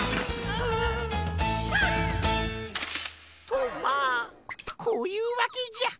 とまあこういうわけじゃ。